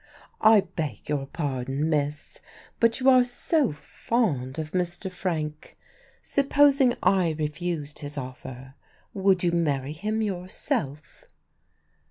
"I beg your pardon, miss, but you are so fond of Mr. Frank Supposing I refused his offer, would you marry him yourself?"